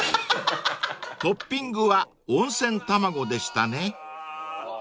［トッピングは温泉玉子でしたね］